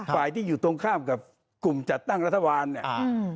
ฝ่ายที่อยู่ตรงข้ามกับกลุ่มจัดตั้งรัฐบาลเนี่ย